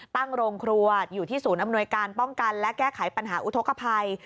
ตั้งโรงครัวอยู่ที่ศูนย์อำนวยการป้องกันและแก้ไขปัญหาอุทธกภัย